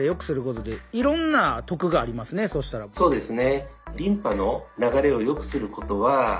そうですね。